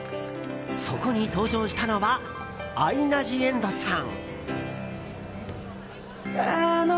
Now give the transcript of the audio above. そこに登場したのはアイナ・ジ・エンドさん。